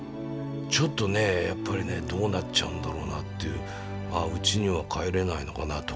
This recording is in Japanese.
ちょっとねやっぱりねどうなっちゃうんだろうなっていうあうちには帰れないのかなとかね。